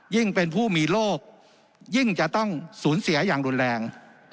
ยิ่งเป็นผู้มีโรคยิ่งจะต้องสูญเสียอย่างรุนแรง